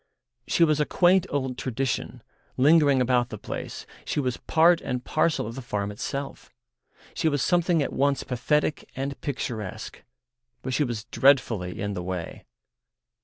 She was a quaint old tradition, lingering about the place, she was part and parcel of the farm itself, she was something at once pathetic and picturesque—but she was dreadfully in the way.